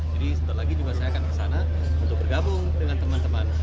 jadi setelah lagi juga saya akan ke sana untuk bergabung dengan teman teman